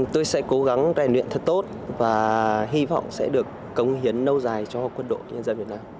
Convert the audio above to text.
tôi sẽ cố gắng rèn luyện thật tốt và hy vọng sẽ được công hiến lâu dài cho quân đội nhân dân việt nam